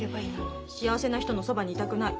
幸せな人のそばにいたくない。